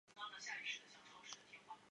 名字常被音译为金雪贤。